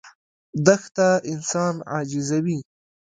دښته انسان عاجزوي.